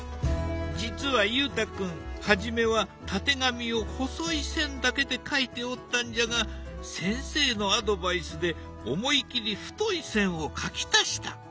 実は裕太君初めはたてがみを細い線だけで描いておったんじゃが先生のアドバイスで思い切り太い線を描き足した。